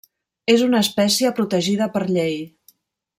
És una espècia protegida per llei.